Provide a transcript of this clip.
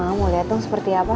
mau liat dong seperti apa